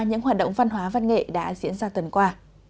những hoạt động văn hóa văn nghệ đã diễn ra tuần qua